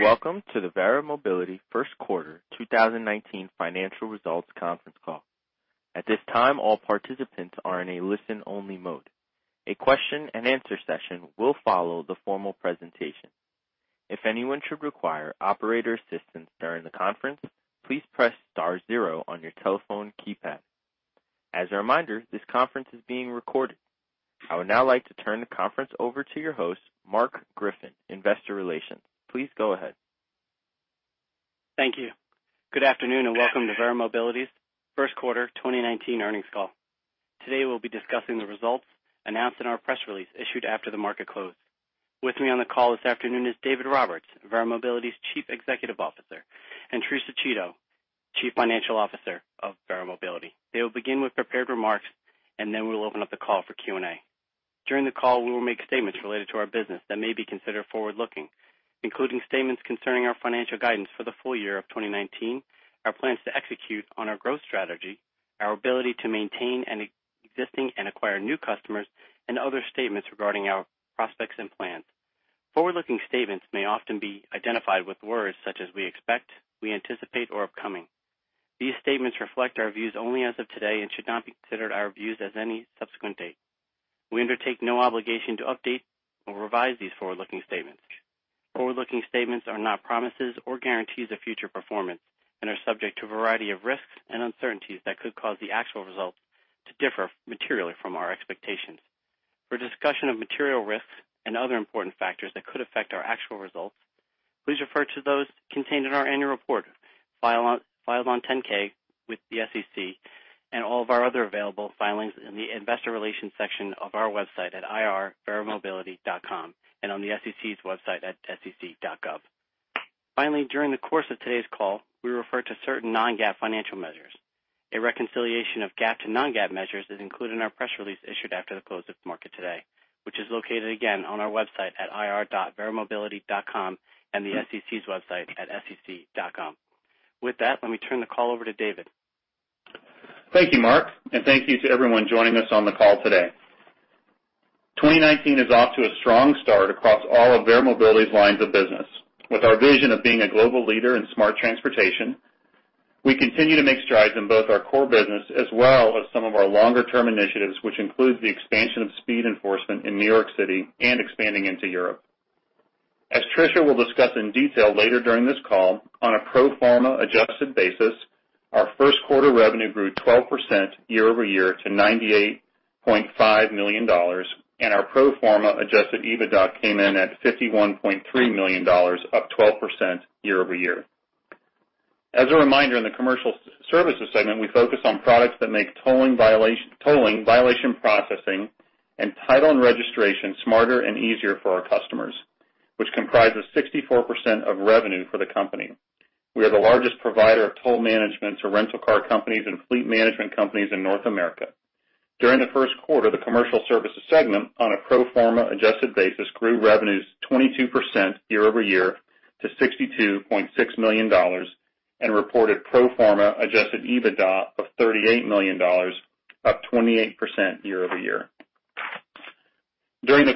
Thanks, welcome to the Verra Mobility First Quarter 2019 Financial Results Conference Call. At this time, all participants are in a listen-only mode. A question-and-answer session will follow the formal presentation. If anyone should require operator assistance during the conference, please press star 0 on your telephone keypad. As a reminder, this conference is being recorded. I would now like to turn the conference over to your host, Marc Griffin, Investor Relations. Please go ahead. Thank you. Good afternoon, welcome to Verra Mobility's First Quarter 2019 earnings call. Today, we'll be discussing the results announced in our press release issued after the market close. With me on the call this afternoon is David Roberts, Verra Mobility's Chief Executive Officer, and Patricia Chiodo, Chief Financial Officer of Verra Mobility. They will begin with prepared remarks, then we will open up the call for Q&A. During the call, we will make statements related to our business that may be considered forward-looking, including statements concerning our financial guidance for the full year of 2019, our plans to execute on our growth strategy, our ability to maintain an existing and acquire new customers, and other statements regarding our prospects and plans. Forward-looking statements may often be identified with words such as "we expect," "we anticipate," or "upcoming." These statements reflect our views only as of today, should not be considered our views as any subsequent date. We undertake no obligation to update or revise these forward-looking statements. Forward-looking statements are not promises or guarantees of future performance, are subject to a variety of risks and uncertainties that could cause the actual results to differ materially from our expectations. For a discussion of material risks and other important factors that could affect our actual results, please refer to those contained in our annual report filed on 10-K with the SEC and all of our other available filings in the investor relations section of our website at ir.verramobility.com and on the SEC's website at sec.gov. Finally, during the course of today's call, we refer to certain non-GAAP financial measures. A reconciliation of GAAP to non-GAAP measures is included in our press release issued after the close of market today, which is located again on our website at ir.verramobility.com and the SEC's website at sec.gov. With that, let me turn the call over to David. Thank you, Marc, and thank you to everyone joining us on the call today. 2019 is off to a strong start across all of Verra Mobility's lines of business. With our vision of being a global leader in smart transportation, we continue to make strides in both our core business as well as some of our longer-term initiatives, which include the expansion of speed enforcement in New York City and expanding into Europe. As Tricia will discuss in detail later during this call, on a pro forma adjusted basis, our first quarter revenue grew 12% year-over-year to $98.5 million, and our pro forma adjusted EBITDA came in at $51.3 million, up 12% year-over-year. As a reminder, in the Commercial Services segment, we focus on products that make tolling, violation processing, and title and registration smarter and easier for our customers, which comprises 64% of revenue for the company. We are the largest provider of toll management to rental car companies and fleet management companies in North America. During the first quarter, the Commercial Services segment on a pro forma adjusted basis grew revenues 22% year-over-year to $62.6 million and reported pro forma adjusted EBITDA of $38 million, up 28% year-over-year.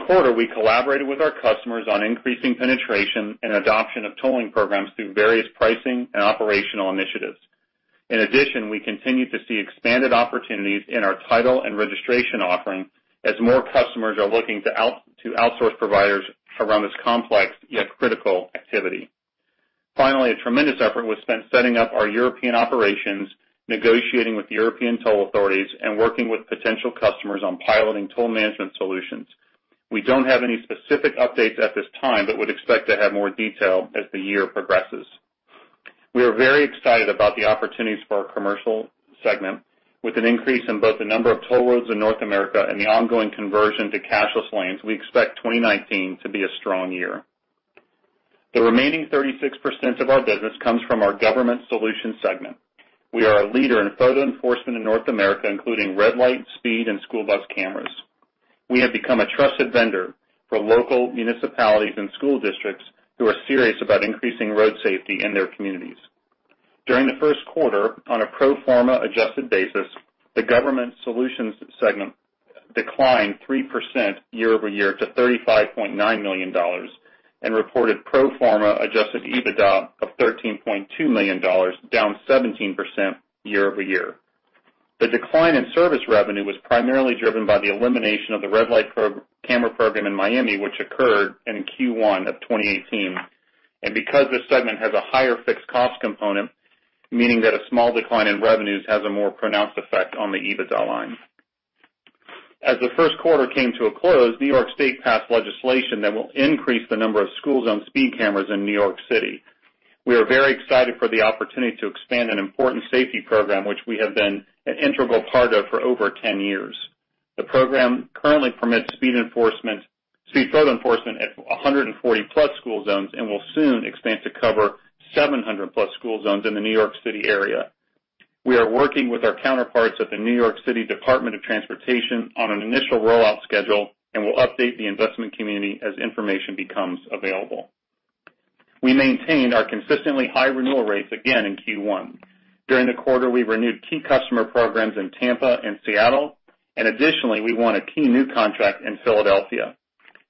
In addition, we continued to see expanded opportunities in our title and registration offering as more customers are looking to outsource providers around this complex yet critical activity. Finally, a tremendous effort was spent setting up our European operations, negotiating with the European toll authorities, and working with potential customers on piloting toll management solutions. We don't have any specific updates at this time but would expect to have more detail as the year progresses. We are very excited about the opportunities for our Commercial segment. With an increase in both the number of toll roads in North America and the ongoing conversion to cashless lanes, we expect 2019 to be a strong year. The remaining 36% of our business comes from our Government Solutions segment. We are a leader in photo enforcement in North America, including red light, speed, and school bus cameras. We have become a trusted vendor for local municipalities and school districts who are serious about increasing road safety in their communities. During the first quarter, on a pro forma adjusted basis, the Government Solutions segment declined 3% year-over-year to $35.9 million and reported pro forma adjusted EBITDA of $13.2 million, down 17% year-over-year. The decline in service revenue was primarily driven by the elimination of the red light camera program in Miami, which occurred in Q1 of 2018. Because this segment has a higher fixed cost component, meaning that a small decline in revenues has a more pronounced effect on the EBITDA line. As the first quarter came to a close, New York State passed legislation that will increase the number of school zone speed cameras in New York City. We are very excited for the opportunity to expand an important safety program, which we have been an integral part of for over 10 years. The program currently permits speed photo enforcement at 140-plus school zones and will soon expand to cover 700-plus school zones in the New York City area. We are working with our counterparts at the New York City Department of Transportation on an initial rollout schedule and will update the investment community as information becomes available. We maintained our consistently high renewal rates again in Q1. During the quarter, we renewed key customer programs in Tampa and Seattle, and additionally, we won a key new contract in Philadelphia.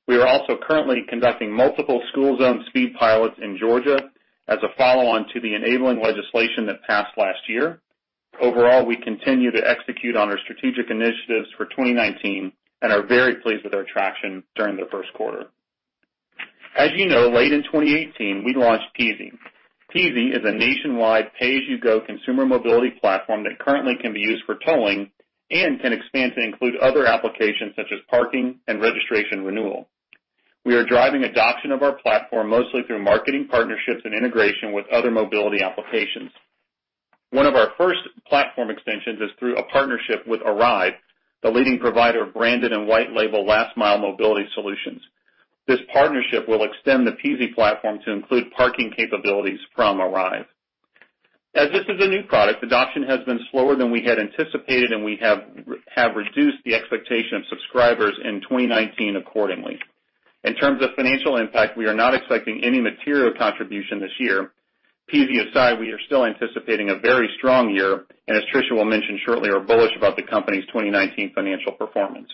We are also currently conducting multiple school zone speed pilots in Georgia as a follow-on to the enabling legislation that passed last year. Overall, we continue to execute on our strategic initiatives for 2019 and are very pleased with our traction during the first quarter. As you know, late in 2018, we launched Peasy. Peasy is a nationwide pay-as-you-go consumer mobility platform that currently can be used for tolling and can expand to include other applications such as parking and registration renewal. We are driving adoption of our platform mostly through marketing partnerships and integration with other mobility applications. One of our first platform extensions is through a partnership with Arrive, the leading provider of branded and white label last mile mobility solutions. This partnership will extend the Peasy platform to include parking capabilities from Arrive. As this is a new product, adoption has been slower than we had anticipated, and we have reduced the expectation of subscribers in 2019 accordingly. In terms of financial impact, we are not expecting any material contribution this year. Peasy aside, we are still anticipating a very strong year, and as Tricia will mention shortly, are bullish about the company's 2019 financial performance.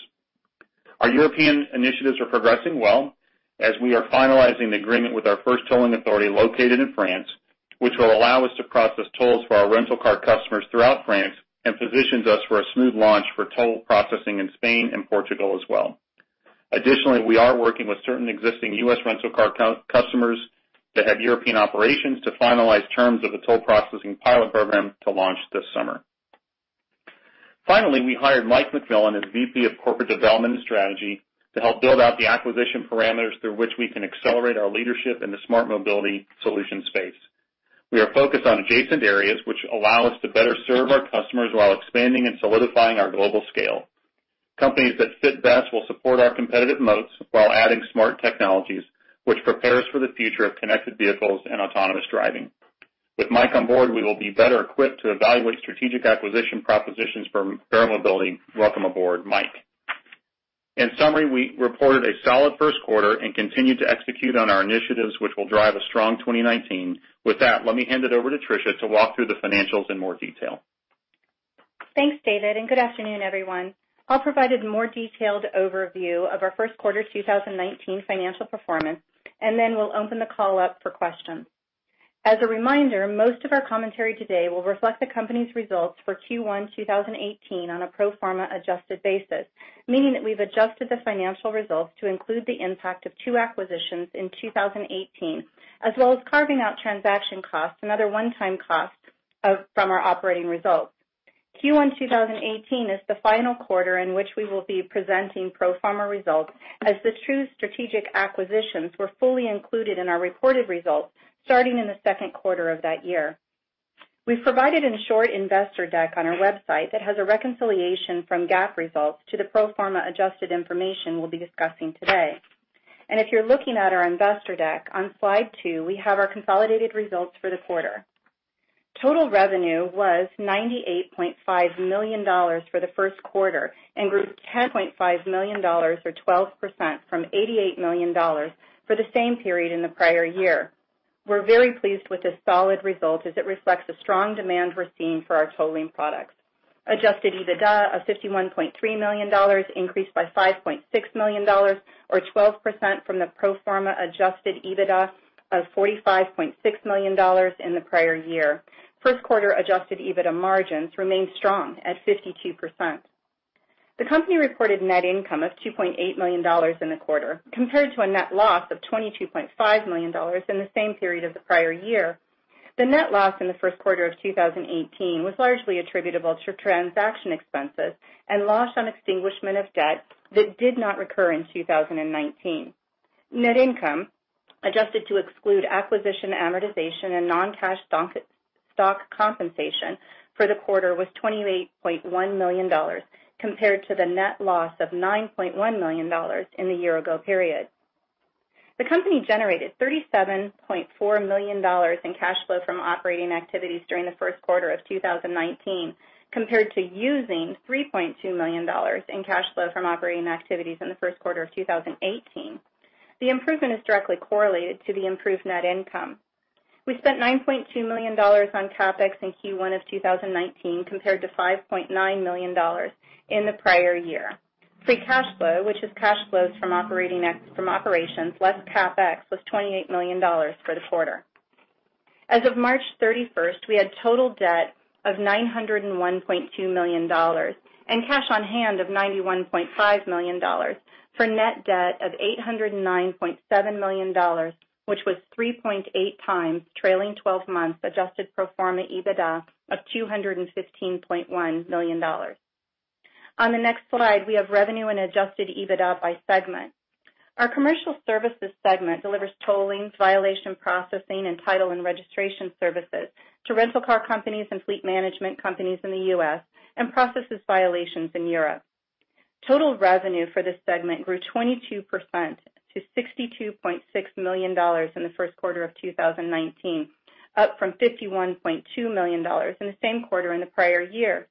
Our European initiatives are progressing well as we are finalizing the agreement with our first tolling authority located in France, which will allow us to process tolls for our rental car customers throughout France and positions us for a smooth launch for toll processing in Spain and Portugal as well. Additionally, we are working with certain existing U.S. rental car customers that have European operations to finalize terms of a toll processing pilot program to launch this summer. Finally, we hired Mike McMillin as VP of Corporate Development and Strategy to help build out the acquisition parameters through which we can accelerate our leadership in the smart mobility solution space. We are focused on adjacent areas which allow us to better serve our customers while expanding and solidifying our global scale. Companies that fit best will support our competitive moats while adding smart technologies, which prepare us for the future of connected vehicles and autonomous driving. With Mike on board, we will be better equipped to evaluate strategic acquisition propositions for Verra Mobility. Welcome aboard, Mike. In summary, we reported a solid first quarter and continued to execute on our initiatives, which will drive a strong 2019. With that, let me hand it over to Tricia to walk through the financials in more detail. Thanks, David. Good afternoon, everyone. I'll provide a more detailed overview of our first quarter 2019 financial performance. Then we'll open the call up for questions. As a reminder, most of our commentary today will reflect the company's results for Q1 2018 on a pro forma adjusted basis, meaning that we've adjusted the financial results to include the impact of two acquisitions in 2018, as well as carving out transaction costs and other one-time costs from our operating results. Q1 2018 is the final quarter in which we will be presenting pro forma results as the two strategic acquisitions were fully included in our reported results starting in the second quarter of that year. We've provided a short investor deck on our website that has a reconciliation from GAAP results to the pro forma adjusted information we'll be discussing today. If you're looking at our investor deck, on slide two, we have our consolidated results for the quarter. Total revenue was $98.5 million for the first quarter and grew $10.5 million or 12% from $88 million for the same period in the prior year. We're very pleased with this solid result as it reflects the strong demand we're seeing for our tolling products. Adjusted EBITDA of $51.3 million increased by $5.6 million or 12% from the pro forma adjusted EBITDA of $45.6 million in the prior year. First quarter adjusted EBITDA margins remained strong at 52%. The company reported net income of $2.8 million in the quarter, compared to a net loss of $22.5 million in the same period of the prior year. The net loss in the first quarter of 2018 was largely attributable to transaction expenses and loss on extinguishment of debt that did not recur in 2019. Net income, adjusted to exclude acquisition amortization and non-cash stock compensation for the quarter was $28.1 million, compared to the net loss of $9.1 million in the year ago period. The company generated $37.4 million in cash flow from operating activities during the first quarter of 2019, compared to using $3.2 million in cash flow from operating activities in the first quarter of 2018. The improvement is directly correlated to the improved net income. We spent $9.2 million on CapEx in Q1 of 2019, compared to $5.9 million in the prior year. Free cash flow, which is cash flows from operations less CapEx, was $28 million for the quarter. As of March 31st, we had total debt of $901.2 million and cash on hand of $91.5 million for net debt of $809.7 million, which was 3.8 times trailing 12 months adjusted pro forma EBITDA of $215.1 million. On the next slide, we have revenue and adjusted EBITDA by segment. Our commercial services segment delivers tolling, violation processing, and title and registration services to rental car companies and fleet management companies in the U.S. and processes violations in Europe. Total revenue for this segment grew 22% to $62.6 million in the first quarter of 2019, up from $51.2 million in the same quarter in the prior year.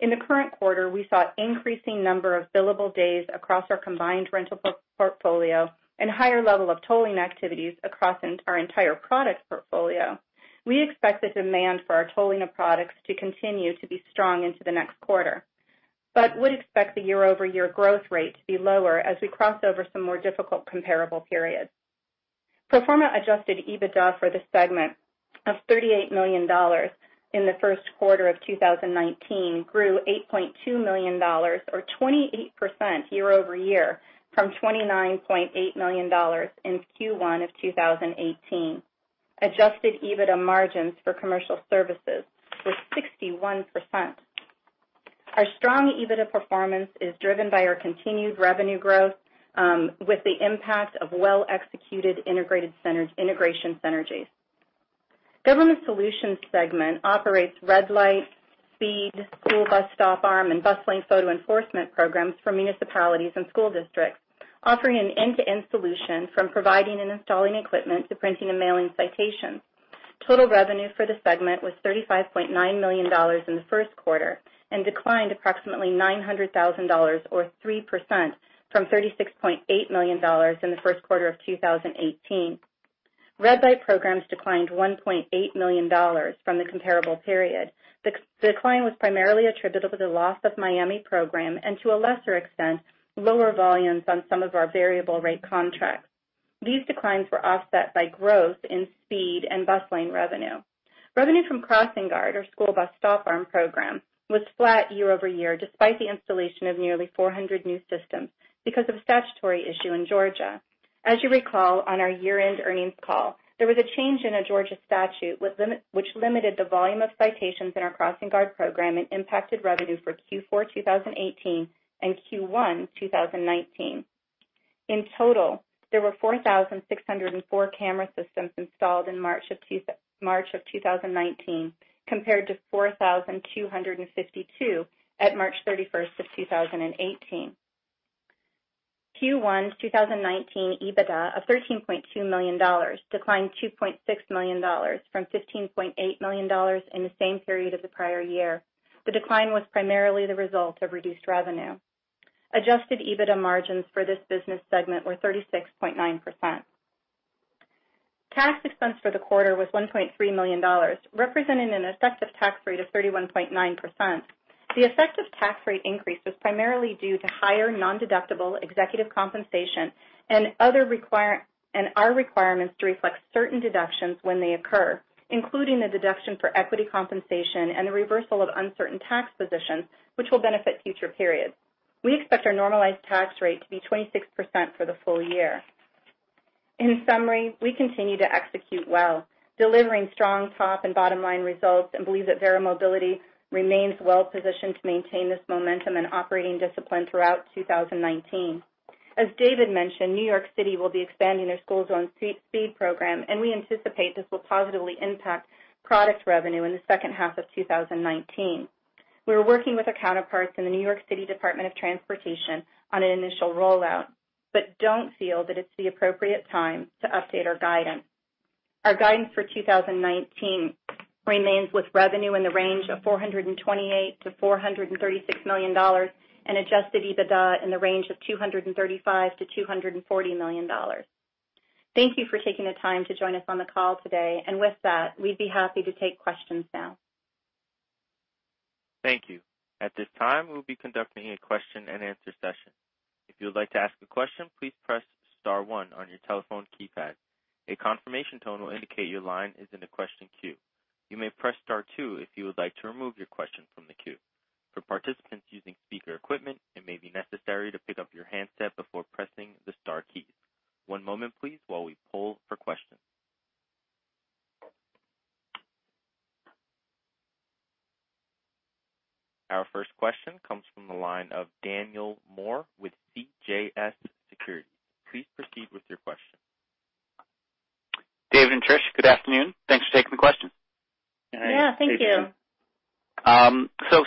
In the current quarter, we saw increasing number of billable days across our combined rental portfolio and higher level of tolling activities across our entire product portfolio. We expect the demand for our tolling of products to continue to be strong into the next quarter, but would expect the year-over-year growth rate to be lower as we cross over some more difficult comparable periods. Pro forma adjusted EBITDA for this segment of $38 million in the first quarter of 2019 grew $8.2 million or 28% year-over-year from $29.8 million in Q1 of 2018. Adjusted EBITDA margins for commercial services were 61%. Our strong EBITDA performance is driven by our continued revenue growth, with the impact of well-executed integration synergies. Government Solutions segment operates red light, speed, school bus stop-arm, and bus lane photo enforcement programs for municipalities and school districts, offering an end-to-end solution from providing and installing equipment to printing and mailing citations. Total revenue for the segment was $35.9 million in the first quarter and declined approximately $900,000, or 3%, from $36.8 million in the first quarter of 2018. Red light programs declined $1.8 million from the comparable period. The decline was primarily attributable to the loss of Miami program and, to a lesser extent, lower volumes on some of our variable rate contracts. These declines were offset by growth in speed and bus lane revenue. Revenue from CrossingGuard, or school bus stop-arm program, was flat year-over-year, despite the installation of nearly 400 new systems because of a statutory issue in Georgia. As you recall, on our year-end earnings call, there was a change in a Georgia statute which limited the volume of citations in our CrossingGuard program and impacted revenue for Q4 2018 and Q1 2019. In total, there were 4,604 camera systems installed in March of 2019, compared to 4,252 at March 31, 2018. Q1 2019 EBITDA of $13.2 million, declined $2.6 million from $15.8 million in the same period of the prior year. The decline was primarily the result of reduced revenue. Adjusted EBITDA margins for this business segment were 36.9%. Tax expense for the quarter was $1.3 million, representing an effective tax rate of 31.9%. The effective tax rate increase was primarily due to higher nondeductible executive compensation and our requirements to reflect certain deductions when they occur, including the deduction for equity compensation and the reversal of uncertain tax positions, which will benefit future periods. We expect our normalized tax rate to be 26% for the full year. In summary, we continue to execute well, delivering strong top and bottom-line results, and believe that Verra Mobility remains well positioned to maintain this momentum and operating discipline throughout 2019. As David mentioned, New York City will be expanding their school zone speed program, and we anticipate this will positively impact product revenue in the second half of 2019. We are working with our counterparts in the New York City Department of Transportation on an initial rollout but don't feel that it's the appropriate time to update our guidance. Our guidance for 2019 remains with revenue in the range of $428 to $436 million and adjusted EBITDA in the range of $235 to $240 million. Thank you for taking the time to join us on the call today. With that, we'd be happy to take questions now. Thank you. At this time, we will be conducting a question and answer session. If you would like to ask a question, please press star one on your telephone keypad. A confirmation tone will indicate your line is in the question queue. You may press star two if you would like to remove your question from the queue. For participants using speaker equipment, it may be necessary to pick up your handset before pressing the star keys. One moment, please, while we poll for questions. Our first question comes from the line of Daniel Moore with CJS Securities. Please proceed with your question. Dave and Trish, good afternoon. Thanks for taking the question. Yeah. Thank you.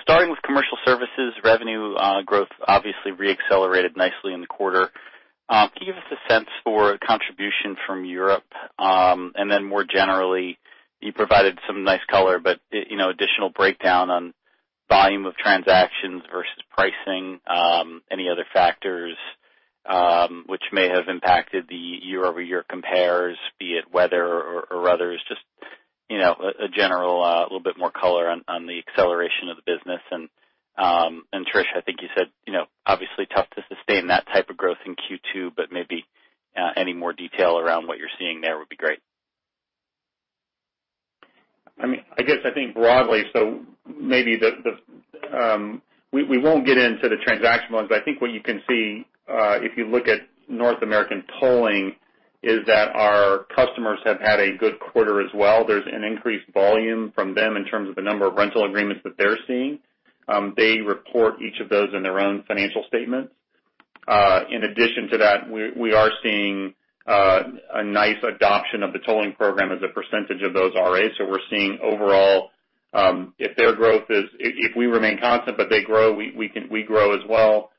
Starting with commercial services, revenue growth obviously re-accelerated nicely in the quarter. Can you give us a sense for contribution from Europe? More generally, you provided some nice color, but additional breakdown on volume of transactions versus pricing, any other factors which may have impacted the year-over-year compares, be it weather or others, just a general little bit more color on the acceleration of the business. Trish, I think you said obviously tough to sustain that type of growth in Q2, but maybe any more detail around what you are seeing there would be great. What you can see, if you look at North American tolling, is that our customers have had a good quarter as well. There's an increased volume from them in terms of the number of rental agreements that they're seeing. They report each of those in their own financial statements. In addition to that, we are seeing a nice adoption of the tolling program as a percentage of those RAs. We're seeing overall, if we remain constant but they grow, we grow as well.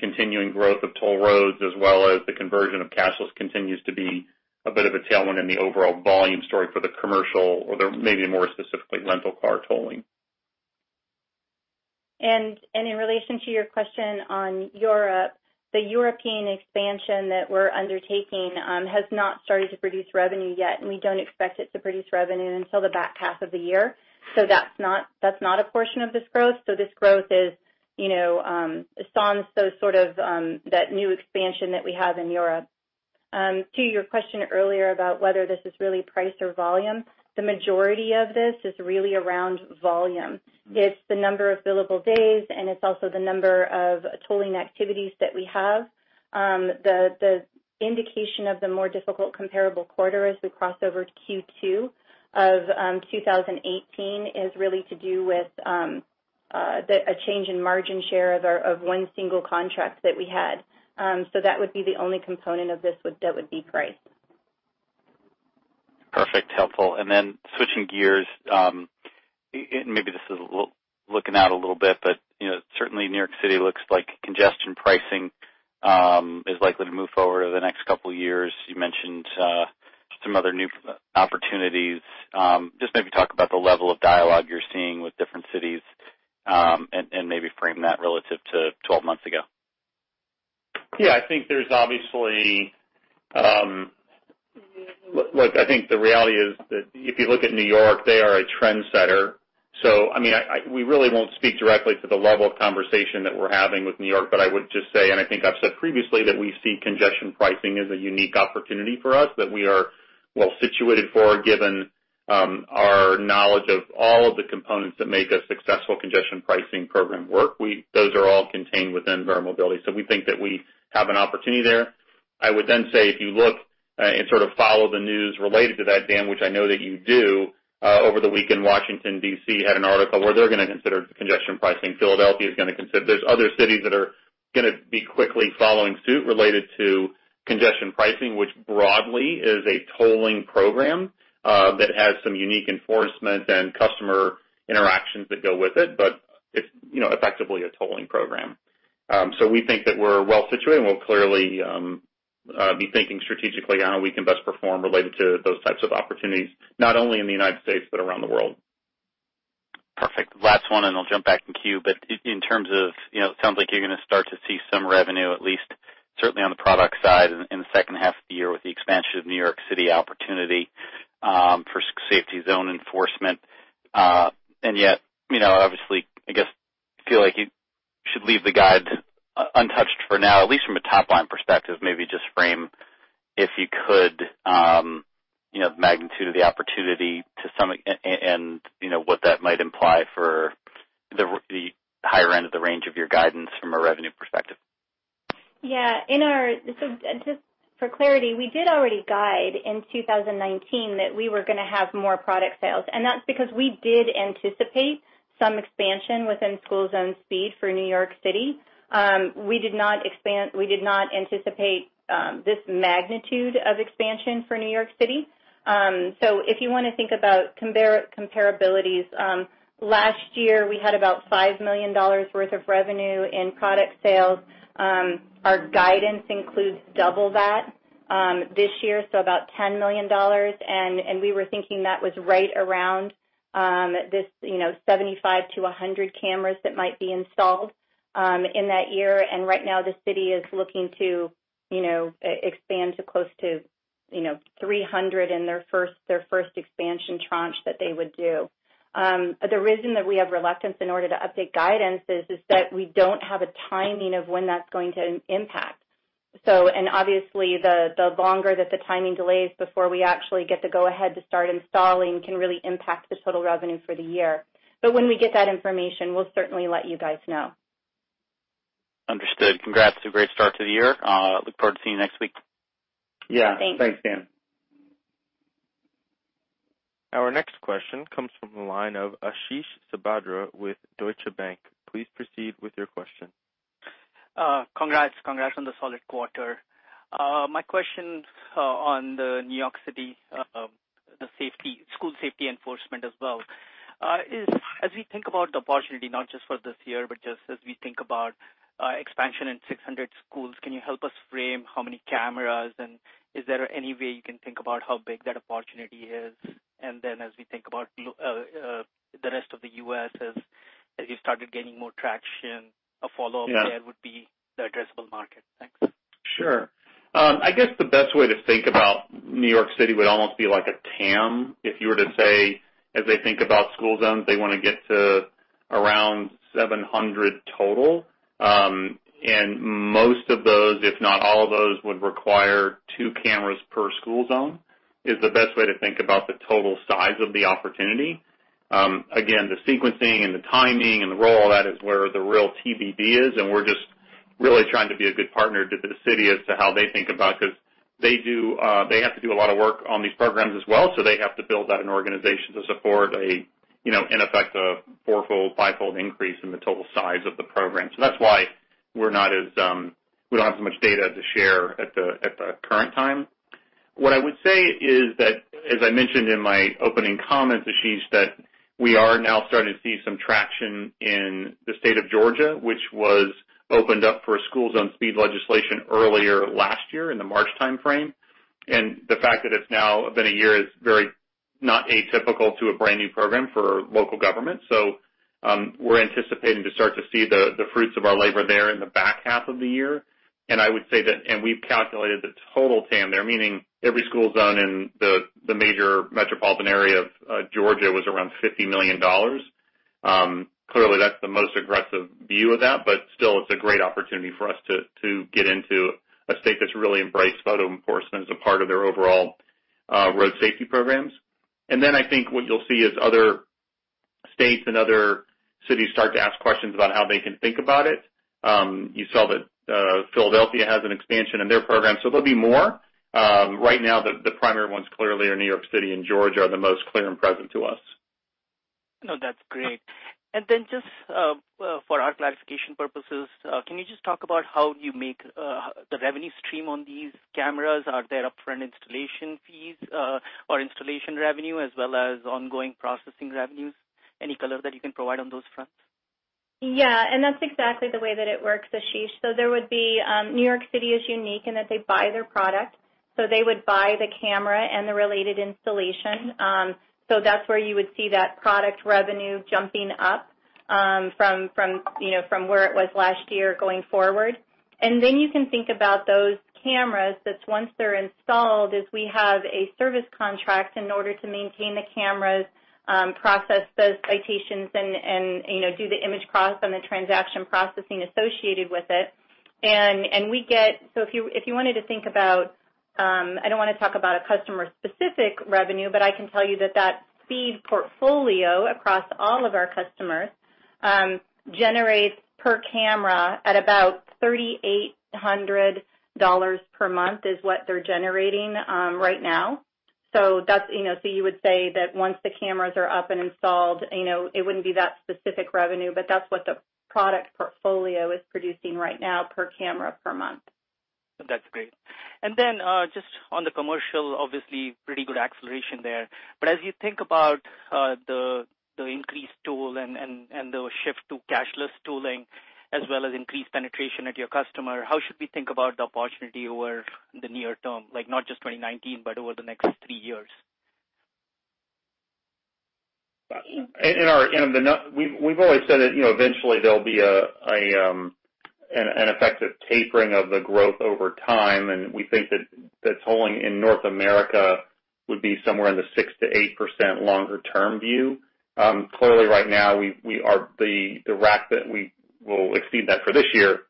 Continuing growth of toll roads as well as the conversion of cashless continues to be a bit of a tailwind in the overall volume story for the commercial, or maybe more specifically, rental car tolling. In relation to your question on Europe, the European expansion that we're undertaking has not started to produce revenue yet, and we don't expect it to produce revenue until the back half of the year. That's not a portion of this growth. This growth is, sans that new expansion that we have in Europe. To your question earlier about whether this is really price or volume, the majority of this is really around volume. It's the number of billable days, and it's also the number of tolling activities that we have. The indication of the more difficult comparable quarter as we cross over to Q2 of 2018 is really to do with a change in margin share of one single contract that we had. That would be the only component of this that would be price. Perfect. Helpful. Switching gears, maybe this is looking out a little bit, but certainly New York City looks like congestion pricing is likely to move forward over the next couple of years. You mentioned some other new opportunities. Just maybe talk about the level of dialogue you're seeing with different cities, and maybe frame that relative to 12 months ago. The reality is that if you look at New York, they are a trendsetter. We really won't speak directly to the level of conversation that we're having with New York. I would just say, and I think I've said previously, that we see congestion pricing as a unique opportunity for us that we are well-situated for, given our knowledge of all of the components that make a successful congestion pricing program work. Those are all contained within Verra Mobility. We think that we have an opportunity there. If you look and sort of follow the news related to that, Dan, which I know that you do, over the week in Washington, D.C., had an article where they're going to consider congestion pricing. Philadelphia is going to consider it. There's other cities that are going to be quickly following suit related to congestion pricing, which broadly is a tolling program that has some unique enforcement and customer interactions that go with it, but it's effectively a tolling program. We think that we're well-situated, and we'll clearly be thinking strategically on how we can best perform related to those types of opportunities, not only in the U.S., but around the world. Perfect. Last one, I'll jump back in queue, it sounds like you're going to start to see some revenue, at least certainly on the product side in the second half of the year with the expansion of New York City opportunity for safety zone enforcement. Yet, obviously, I guess, I feel like you should leave the guide untouched for now, at least from a top-line perspective. Maybe just frame, if you could, the magnitude of the opportunity and what that might imply for the higher end of the range of your guidance from a revenue perspective. Yeah. Just for clarity, we did already guide in 2019 that we were going to have more product sales, that's because we did anticipate some expansion within school zone speed for New York City. We did not anticipate this magnitude of expansion for New York City. If you want to think about comparabilities, last year, we had about $5 million worth of revenue in product sales. Our guidance includes double that this year, about $10 million. We were thinking that was right around this 75-100 cameras that might be installed in that year. Right now, the city is looking to expand to close to 300 in their first expansion tranche that they would do. The reason that we have reluctance in order to update guidance is that we don't have a timing of when that's going to impact. Obviously, the longer that the timing delays before we actually get the go ahead to start installing can really impact this total revenue for the year. When we get that information, we'll certainly let you guys know. Understood. Congrats. A great start to the year. Look forward to seeing you next week. Yeah. Thanks. Thanks, Dan. Our next question comes from the line of Ashish Sabadra with Deutsche Bank. Please proceed with your question. Congrats on the solid quarter. My question on the New York City school safety enforcement as well. As we think about the opportunity, not just for this year, but just as we think about expansion in 600 schools, can you help us frame how many cameras, and is there any way you can think about how big that opportunity is? Then as we think about the rest of the U.S., as you started gaining more traction, a follow-up there would be the addressable market. Thanks. Sure. I guess the best way to think about New York City would almost be like a TAM. If you were to say, as they think about school zones, they want to get to around 700 total. Most of those, if not all of those, would require two cameras per school zone, is the best way to think about the total size of the opportunity. Again, the sequencing and the timing and the role of that is where the real TBD is. We're just really trying to be a good partner to the city as to how they think about it because they have to do a lot of work on these programs as well. They have to build out an organization to support, in effect, a fourfold, fivefold increase in the total size of the program. That's why we don't have as much data to share at the current time. What I would say is that, as I mentioned in my opening comments, Ashish, that we are now starting to see some traction in the state of Georgia, which was opened up for school zone speed legislation earlier last year in the March timeframe. The fact that it's now been a year is not atypical to a brand-new program for local government. We're anticipating to start to see the fruits of our labor there in the back half of the year. I would say that we've calculated the total TAM there, meaning every school zone in the major metropolitan area of Georgia was around $50 million. Clearly, that's the most aggressive view of that, but still, it's a great opportunity for us to get into a state that's really embraced photo enforcement as a part of their overall road safety programs. I think what you'll see is other states and other cities start to ask questions about how they can think about it. You saw that Philadelphia has an expansion in their program. There'll be more. Right now, the primary ones clearly are New York City and Georgia are the most clear and present to us. No, that's great. Just for our clarification purposes, can you just talk about how you make the revenue stream on these cameras? Are there upfront installation fees or installation revenue as well as ongoing processing revenues? Any color that you can provide on those fronts. Yeah. That's exactly the way that it works, Ashish Sabadra. New York City is unique in that they buy their product. They would buy the camera and the related installation. That's where you would see that product revenue jumping up from where it was last year going forward. Then you can think about those cameras, that once they're installed, is we have a service contract in order to maintain the cameras, process those citations, and do the image cross and the transaction processing associated with it. If you wanted to think about, I don't want to talk about a customer-specific revenue, but I can tell you that that speed portfolio across all of our customers generates per camera at about $3,800 per month, is what they're generating right now. You would say that once the cameras are up and installed, it wouldn't be that specific revenue, but that's what the product portfolio is producing right now per camera per month. That's great. Then just on the commercial, obviously pretty good acceleration there. As you think about the increased toll and the shift to cashless tolling as well as increased penetration at your customer, how should we think about the opportunity over the near term? Not just 2019, but over the next three years. We've always said that eventually there'll be an effective tapering of the growth over time, we think that tolling in North America would be somewhere in the 6%-8% longer term view. Clearly, right now, we will exceed that for this year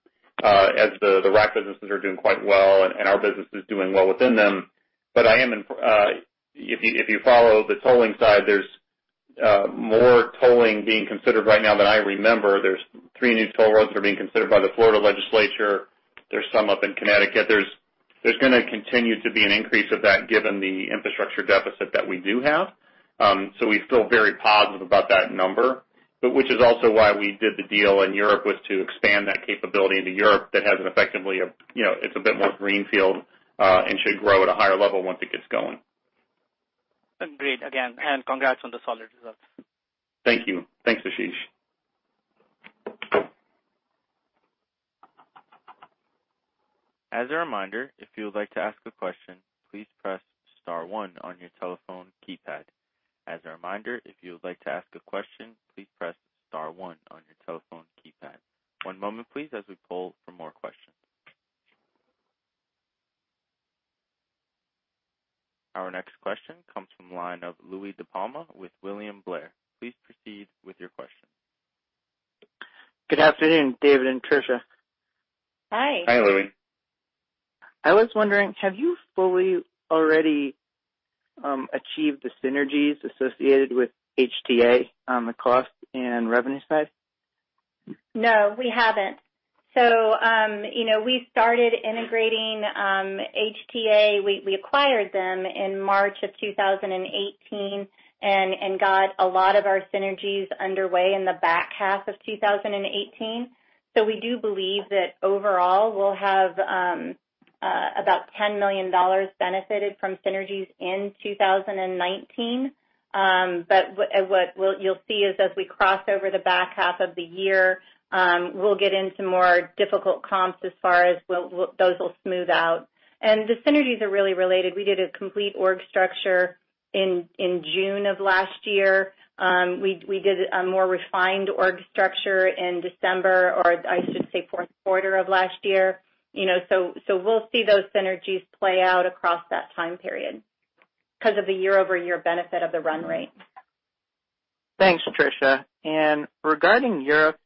as the rack businesses are doing quite well and our business is doing well within them. If you follow the tolling side, there's more tolling being considered right now than I remember. There's three new toll roads that are being considered by the Florida legislature. There's some up in Connecticut. There's going to continue to be an increase of that given the infrastructure deficit that we do have. We feel very positive about that number. Which is also why we did the deal in Europe was to expand that capability into Europe that has effectively, it's a bit more greenfield, and should grow at a higher level once it gets going. Great again, congrats on the solid results. Thank you. Thanks, Ashish. As a reminder, if you would like to ask a question, please press star 1 on your telephone keypad. As a reminder, if you would like to ask a question, please press star 1 on your telephone keypad. One moment, please, as we poll for more questions. Our next question comes from the line of Louie DiPalma with William Blair. Please proceed with your question. Good afternoon, David and Tricia. Hi. Hi, Louie. I was wondering, have you fully already achieved the synergies associated with HTA on the cost and revenue side? No, we haven't. We started integrating HTA. We acquired them in March of 2018 and got a lot of our synergies underway in the back half of 2018. We do believe that overall we'll have about $10 million benefited from synergies in 2019. What you'll see is as we cross over the back half of the year, we'll get into more difficult comps as far as those will smooth out. The synergies are really related. We did a complete org structure in June of last year. We did a more refined org structure in December, or I should say fourth quarter of last year. We'll see those synergies play out across that time period because of the year-over-year benefit of the run rate. Thanks, Tricia. Regarding Europe,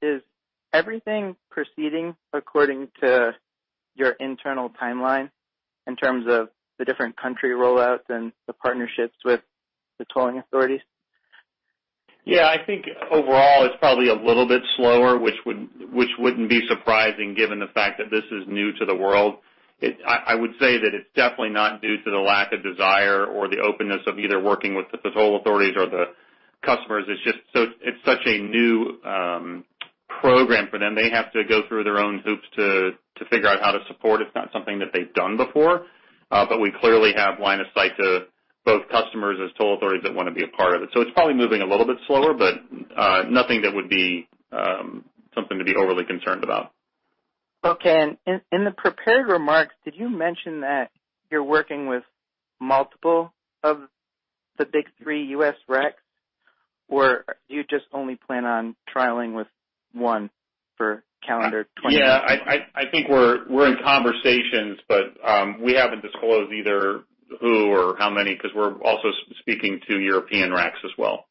is everything proceeding according to your internal timeline in terms of the different country rollouts and the partnerships with the tolling authorities? Yeah, I think overall it's probably a little bit slower, which wouldn't be surprising given the fact that this is new to the world. I would say that it's definitely not due to the lack of desire or the openness of either working with the toll authorities or the customers. It's such a new program for them. They have to go through their own hoops to figure out how to support. It's not something that they've done before. We clearly have line of sight to both customers as toll authorities that want to be a part of it. It's probably moving a little bit slower, but nothing that would be something to be overly concerned about. Okay. In the prepared remarks, did you mention that you're working with multiple of the big three U.S. racks, or do you just only plan on trialing with one for calendar 2020? Yeah. I think we're in conversations, we haven't disclosed either who or how many, because we're also speaking to European racks as well.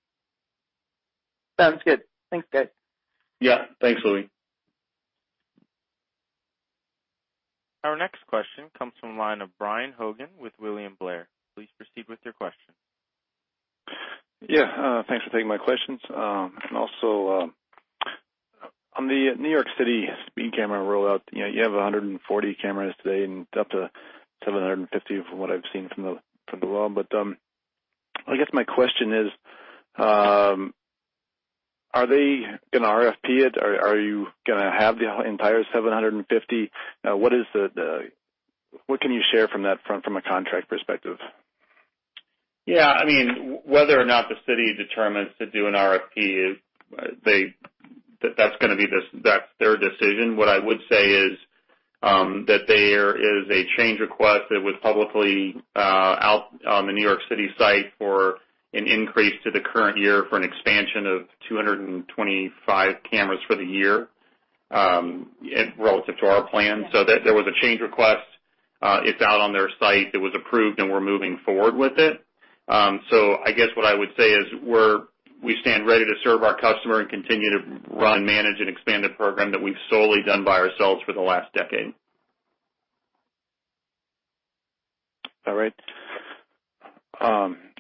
Sounds good. Thanks, Dave. Yeah. Thanks, Louie. Our next question comes from the line of Brian Hogan with William Blair. Please proceed with your question. Thanks for taking my questions. Also, on the New York City speed camera rollout, you have 140 cameras today and up to 750 from what I've seen from the law. I guess my question is, are they going to RFP it? Are you going to have the entire 750? What can you share from that from a contract perspective? Yeah. Whether or not the city determines to do an RFP, that's their decision. What I would say is that there is a change request that was publicly out on the New York City site for an increase to the current year for an expansion of 225 cameras for the year, relative to our plan. There was a change request. It's out on their site. It was approved, and we're moving forward with it. I guess what I would say is we stand ready to serve our customer and continue to run, manage, and expand a program that we've solely done by ourselves for the last decade. All right.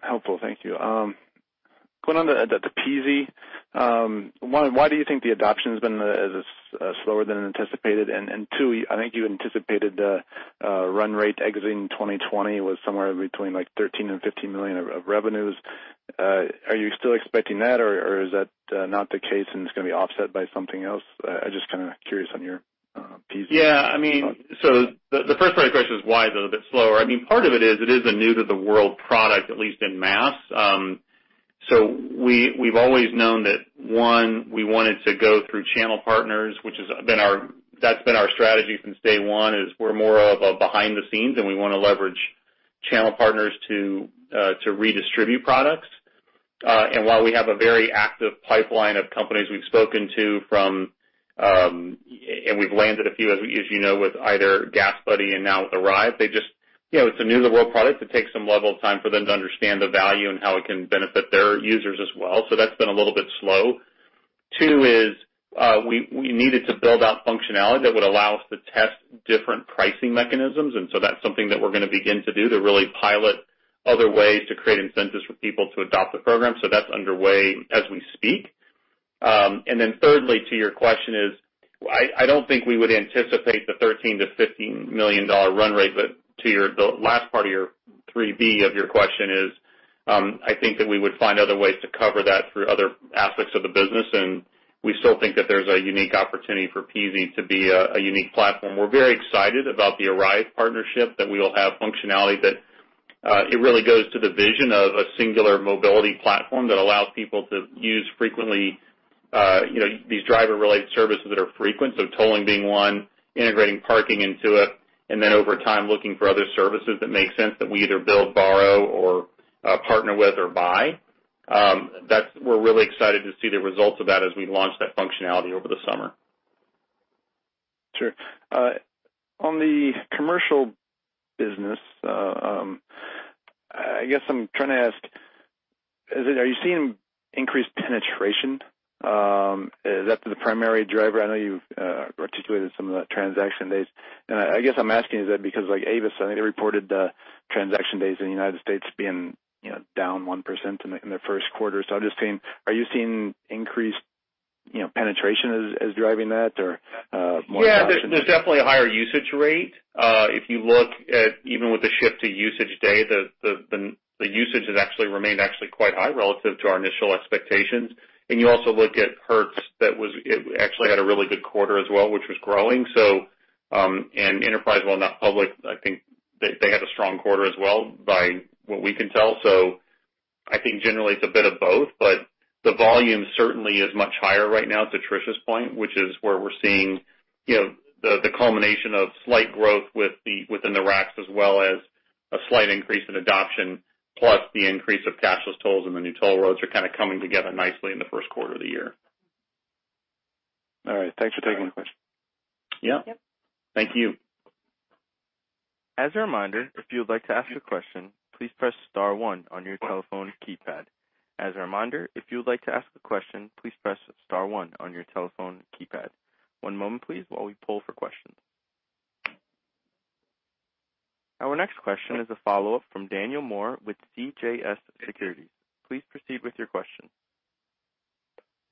Helpful. Thank you. Going on to Peasy. One, why do you think the adoption has been slower than anticipated? Two, I think you anticipated the run rate exiting 2020 was somewhere between $13 million and $15 million of revenues. Are you still expecting that, or is that not the case, and it's going to be offset by something else? I'm just kind of curious on your Peasy. Yeah. The first part of your question is why is it a bit slower. Part of it is, it is a new-to-the-world product, at least en masse. We've always known that, one, we wanted to go through channel partners. That's been our strategy since day one, is we're more of a behind-the-scenes, and we want to leverage channel partners to redistribute products. While we have a very active pipeline of companies we've spoken to, and we've landed a few, as you know, with either GasBuddy and now with Arrive, it's a new-to-the-world product. It takes some level of time for them to understand the value and how it can benefit their users as well. That's been a little bit slow. Two is we needed to build out functionality that would allow us to test different pricing mechanisms, that's something that we're going to begin to do, to really pilot other ways to create incentives for people to adopt the program. That's underway as we speak. Thirdly to your question is, I don't think we would anticipate the $13 million-$15 million run rate, but to the last part of your 3B of your question is, I think that we would find other ways to cover that through other aspects of the business, and we still think that there's a unique opportunity for Peasy to be a unique platform. We're very excited about the Arrive partnership, that we will have functionality that it really goes to the vision of a singular mobility platform that allows people to use these driver-related services that are frequent. tolling being one, integrating parking into it, and then over time, looking for other services that make sense that we either build, borrow, partner with or buy. We're really excited to see the results of that as we launch that functionality over the summer. Sure. On the commercial business, I guess I'm trying to ask, are you seeing increased penetration? Is that the primary driver? I know you've articulated some of the transaction days. I guess I'm asking is that because Avis, I think they reported transaction days in the U.S. being down 1% in their first quarter. I'm just saying, are you seeing increased penetration as driving that or more adoption? Yeah. There's definitely a higher usage rate. If you look at even with the shift to usage day, the usage has actually remained actually quite high relative to our initial expectations. You also looked at Hertz, that it actually had a really good quarter as well, which was growing. Enterprise, while not public, I think they had a strong quarter as well, by what we can tell. I think generally it's a bit of both, but the volume certainly is much higher right now to Trish's point, which is where we're seeing the culmination of slight growth within the racks as well as a slight increase in adoption, plus the increase of cashless tolls and the new toll roads are kind of coming together nicely in the first quarter of the year. All right. Thanks for taking my question. Yeah. Thank you. As a reminder, if you would like to ask a question, please press star one on your telephone keypad. As a reminder, if you would like to ask a question, please press star one on your telephone keypad. One moment, please, while we poll for questions. Our next question is a follow-up from Daniel Moore with CJS Securities. Please proceed with your question.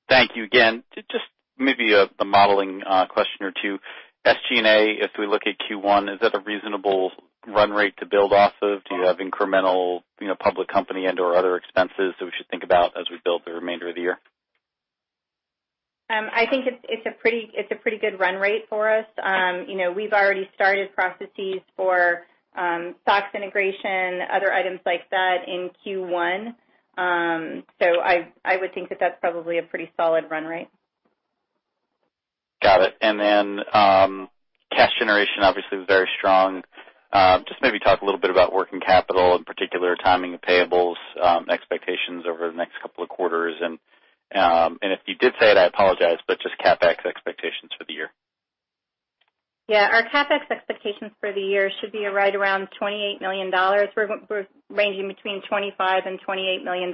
Thank you again. Just maybe a modeling question or two. SG&A, if we look at Q1, is that a reasonable run rate to build off of? Do you have incremental public company and/or other expenses that we should think about as we build the remainder of the year? I think it's a pretty good run rate for us. We've already started processes for SOX integration, other items like that in Q1. I would think that that's probably a pretty solid run rate. Got it. Cash generation, obviously very strong. Just maybe talk a little bit about working capital, in particular, timing of payables, expectations over the next couple of quarters. If you did say it, I apologize, but just CapEx expectations for the year. Yeah. Our CapEx expectations for the year should be right around $28 million. We're ranging between $25 million and $28 million.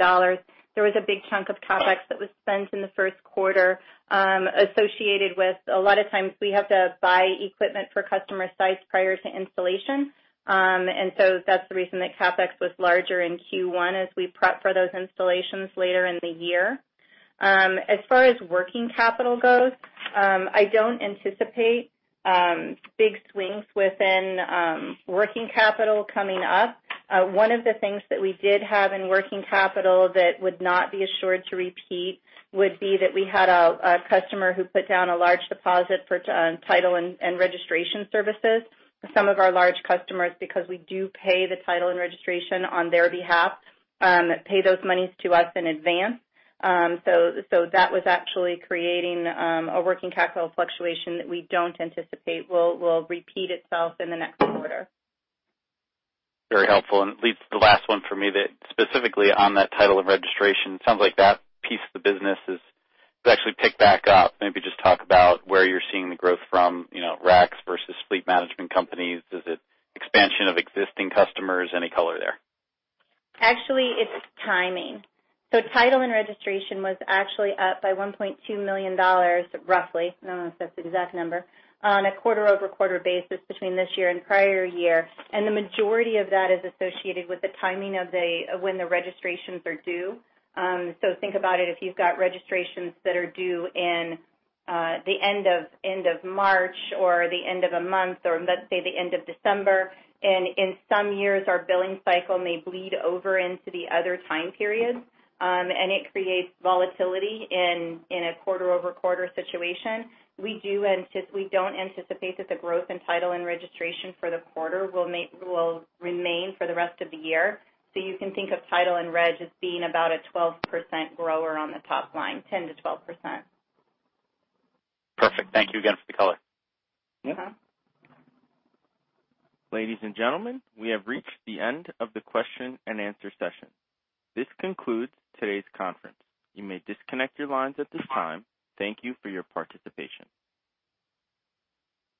There was a big chunk of CapEx that was spent in the first quarter, associated with, a lot of times we have to buy equipment for customer sites prior to installation. That's the reason that CapEx was larger in Q1 as we prep for those installations later in the year. As far as working capital goes, I don't anticipate big swings within working capital coming up. One of the things that we did have in working capital that would not be assured to repeat would be that we had a customer who put down a large deposit for title and registration services. Some of our large customers, because we do pay the title and registration on their behalf, pay those monies to us in advance. That was actually creating a working capital fluctuation that we don't anticipate will repeat itself in the next quarter. Very helpful. It leads to the last one for me, specifically on that title and registration, it sounds like that piece of the business has actually picked back up. Maybe just talk about where you're seeing the growth from, RAs versus fleet management companies. Is it expansion of existing customers? Any color there? Actually, it's timing. Title and registration was actually up by $1.2 million, roughly, I don't know if that's the exact number, on a quarter-over-quarter basis between this year and prior year, and the majority of that is associated with the timing of when the registrations are due. Think about it, if you've got registrations that are due in the end of March or the end of a month or let's say the end of December, and in some years, our billing cycle may bleed over into the other time period, and it creates volatility in a quarter-over-quarter situation. We don't anticipate that the growth in title and registration for the quarter will remain for the rest of the year. You can think of title and reg as being about a 12% grower on the top line, 10%-12%. Perfect. Thank you again for the color. Ladies and gentlemen, we have reached the end of the question and answer session. This concludes today's conference. You may disconnect your lines at this time. Thank you for your participation.